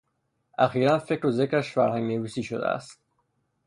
اخیرا فکر و ذکرش فرهنگ نویسی شده است.